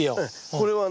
これはね